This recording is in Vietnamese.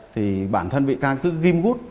thì bản thân bị can cứ ghim gút